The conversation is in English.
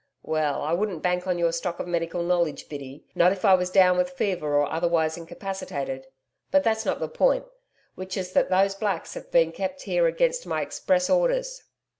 'Well, I wouldn't bank on your stock of medical knowledge, Biddy not if I was down with fever or otherwise incapacitated. But that's not the point which is that those blacks have been kept here against my express orders.'